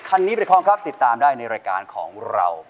คันนี้ไปพร้อมครับติดตามได้ในรายการของเรา